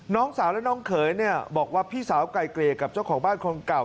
น้องสาวและน้องเขยเนี่ยบอกว่าพี่สาวไก่เกลี่ยกับเจ้าของบ้านคนเก่า